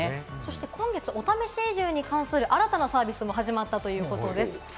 今月、お試し移住に関する新たなサービスも始まったというんです。